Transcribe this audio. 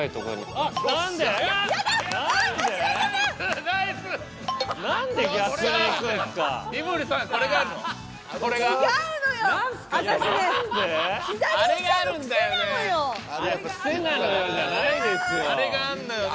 あれがあるのよね